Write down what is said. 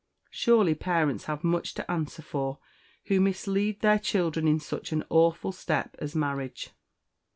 Surely parents have much to answer for who mislead their children in such an awful step as marriage!"